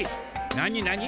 なになに？